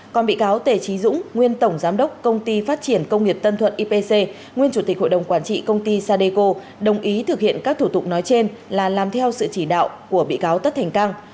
còn bị cáo tề trí dũng nguyên tổng giám đốc công ty phát triển công nghiệp tân thuận ipc nguyên chủ tịch hội đồng quản trị công ty sadeco đồng ý thực hiện các thủ tục nói trên là làm theo sự chỉ đạo của bị cáo tất thành cang